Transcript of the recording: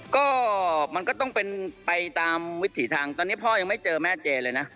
ก็มันก็ต้องเป็นไปตามวิถีทางตอนนี้พ่อยังไม่เจอแม่เจเลยนะ